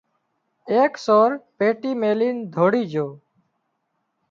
ايڪ سور پيٽي ميلين ڌوڙي جھو